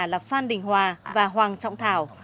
là phan đình hòa và hoàng trọng thảo